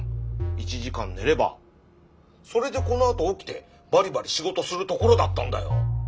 １時間寝ればそれでこのあと起きてバリバリ仕事するところだったんだよ。